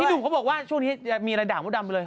หนุ่มเขาบอกว่าช่วงนี้จะมีอะไรด่ามดดำไปเลย